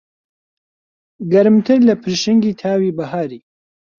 گەرمتر لە پڕشنگی تاوی بەهاری